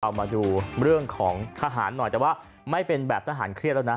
เอามาดูเรื่องของทหารหน่อยแต่ว่าไม่เป็นแบบทหารเครียดแล้วนะ